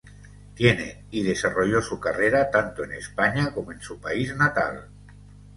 Tiene y desarrolló su carrera tanto en España como en su país natal.